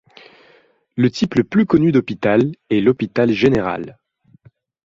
Le type le plus connu d'hôpital est l'hôpital général.